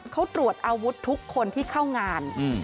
เขาตรวจอาวุธทุกคนที่เข้างาน